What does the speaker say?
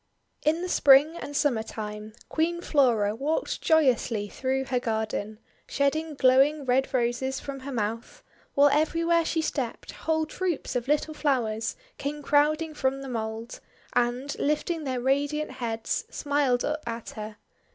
In the Spring and Summer time, Queen Flora walked joyously through her garden, shedding glowing Red Roses from her mouth; while everywhere she stepped, whole troops of little flowers came crowding from the mould, and, lifting their radiant heads, smiled up at her.